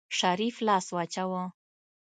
شريف لاس واچوه.